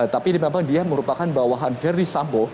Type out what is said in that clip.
tapi dia merupakan bawahan ferdis sambo